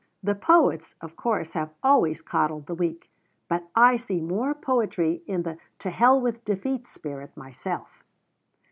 The poets, of course, have always coddled the weak, but I see more poetry in the to hell with defeat spirit myself."